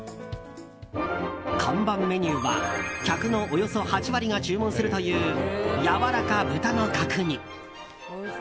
看板メニューは客のおよそ８割が注文するというやわらか豚の角煮。